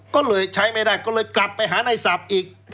ก็เลยใช้ไม่ได้กลับไปหานายศัพท์อีก